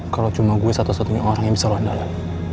kalau cuma gue satu satunya orang yang bisa landala